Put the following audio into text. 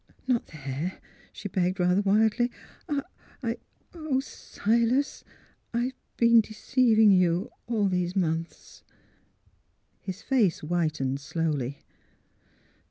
" Not there," she begged, rather wildly. '' I — oh, Silas, I've been deceiving you — all these months." His face whitened slowly.